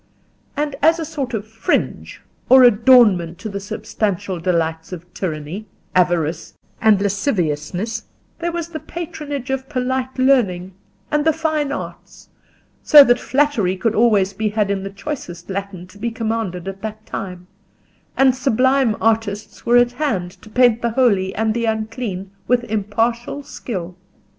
And as a sort of fringe or adornment to the substantial delights of tyranny, avarice, and lasciviousness, there was the patronage of polite learning and the fine arts, so that flattery could always be had in the choicest Latin to be commanded at that time, and sublime artists were at hand to paint the holy and the unclean with impartial skill.